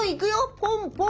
ポンポン。